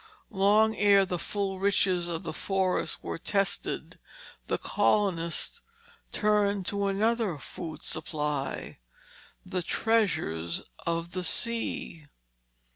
Long ere the full riches of the forests were tested the colonists turned to another food supply, the treasures of the sea.